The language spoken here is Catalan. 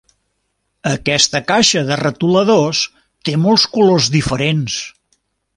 Aquesta caixa de retoladors té molts colors diferents.